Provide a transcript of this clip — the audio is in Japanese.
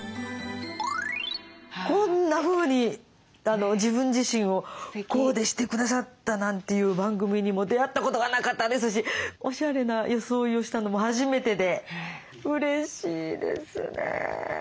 こんなふうに自分自身をコーデしてくださったなんていう番組にも出会ったことがなかったですしおしゃれな装いをしたのも初めてでうれしいですね。